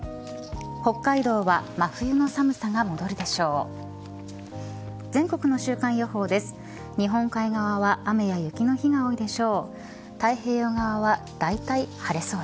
北海道は真冬の寒さが戻るでしょう。